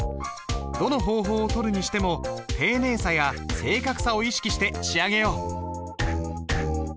どの方法をとるにしても丁寧さや正確さを意識して仕上げよう。